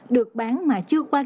được bán mà chưa qua kịp